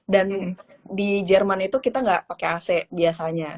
dan di jerman itu kita gak pake ac biasanya